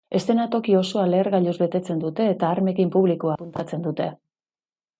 Eszenatoki osoa lehergailuz betetzen dute eta armekin publikoa apuntatzen dute.